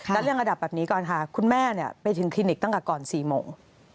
แล้วเรื่องระดับแบบนี้ก่อนค่ะคุณแม่ไปถึงคลินิกตั้งแต่ก่อน๔โมง